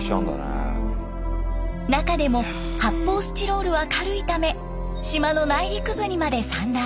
中でも発泡スチロールは軽いため島の内陸部にまで散乱。